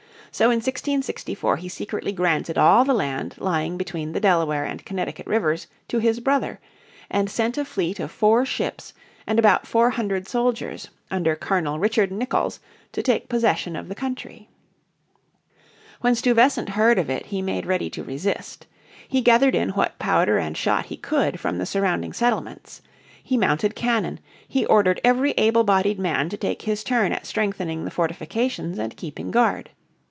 So in 1664 he secretly granted all the land lying between the Delaware and Connecticut rivers to his brother, and sent a fleet of four ships and about four hundred soldiers under Colonel Richard Nicolls to take possession of the country. When Stuyvesant heard of it he made ready to resist. He gathered in what powder and shot be could from the surrounding settlements; he mounted cannon, he ordered every able bodied man to take his turn at strengthening the fortifications and keeping guard.